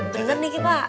benar ini pak